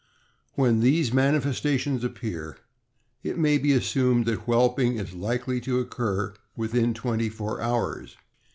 When these manifestations appear, it may be assumed that whelp ing is likely to occur within twenty four hours.